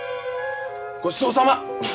ごちそうさま！